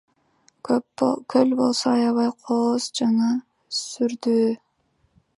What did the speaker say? Көл болсо аябай кооз жана сүрдүү.